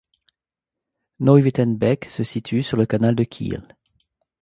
Neuwittenbek se situe sur le canal de Kiel.